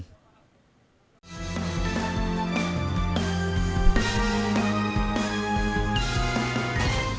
tiếp theo chương trình